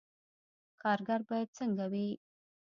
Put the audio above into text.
کارګر باید څنګه وي؟